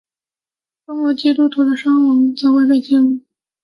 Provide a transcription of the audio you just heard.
中国基督徒的伤亡则未被记录。